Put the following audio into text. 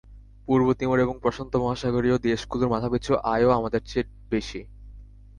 পূর্ব Timor এবং প্রশান্ত মহাসাগরীয় দেশগুলোর মাথাপিছু আয়ও আমাদের চেয়ে বেশি।